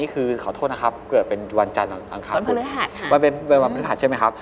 คือขอโทษนะครับเกิดเป็นวันจันทร์อังคารเป็นวันพฤหัสใช่ไหมครับ